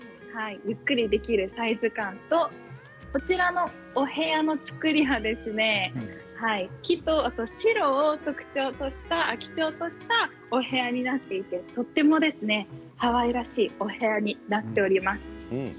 ゆっくりできるサイズ感とこちらの部屋の造りなんですが木と白を基調としたお部屋になっていてとてもハワイらしいお部屋になっています。